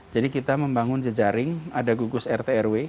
jadi kita membangun jejaring ada gugus rt rw